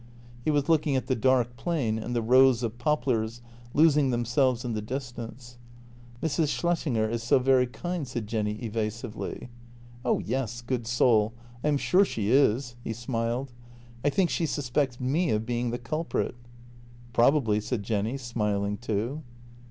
He was looking at the dark plain and the rows of poplars losing themselves in the distance. " Mrs. Schlessinger is so very kind," said Jenny evasively. " Oh yes, good soul; I am sure she is." He smiled. " I think she suspects me of being the culprit." " Probably," said Jenny, smiling too.